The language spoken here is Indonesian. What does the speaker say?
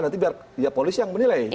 nanti biar ya polisi yang menilai